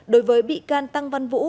đối với bị can tăng văn vũ